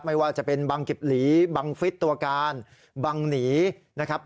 ไม่ว่าจะเป็นบังกิบหลีบังฟิศตัวการบังหนีนะครับ